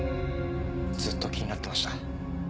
ずっと気になってました。